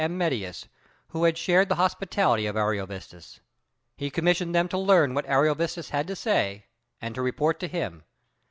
Mettius, who had shared the hospitality of Ariovistus. He commissioned them to learn what Ariovistus had to say, and to report to him.